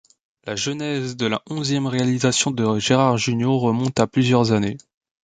La genèse de la onzième réalisation de Gérard Jugnot remonte à plusieurs années.